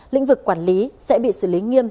lĩnh vực quản lý sẽ bị xử lý nghiêm